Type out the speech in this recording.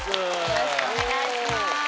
よろしくお願いします。